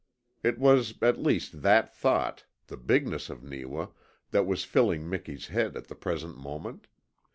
It was at least that thought the bigness of Neewa that was filling Miki's head at the present moment.